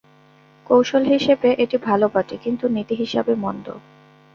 কৌশল হিসাবে এটি ভাল বটে, কিন্তু নীতি হিসাবে মন্দ।